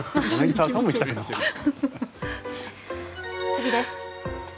次です。